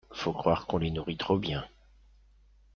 Faut croire qu’on les nourrit trop bien.